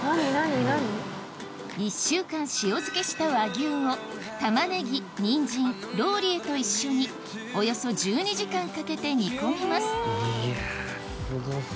１週間塩漬けした和牛をタマネギニンジンローリエと一緒におよそ１２時間かけて煮込みますいやすごそう。